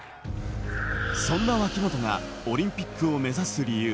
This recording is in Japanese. そんな脇本がオリンピックを目指す理由。